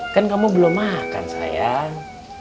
kan kamu belum makan sayang